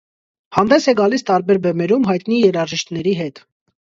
Հանդես է գալիս տարբեր բեմերում, հայտնի երաժիշտների հետ։